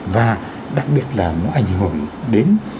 và đặc biệt là nó ảnh hưởng đến